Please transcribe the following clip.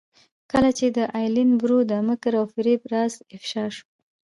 کله چې د ایلن برو د مکر او فریب راز افشا شو.